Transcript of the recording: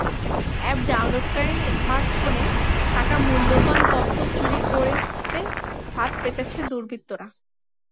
App ডাউনলোডকারীর স্মার্টফোনে থাকা মূল্যবান তথ্য চুরি করতে ফাঁদ পেতেছে দুর্বৃত্তরা।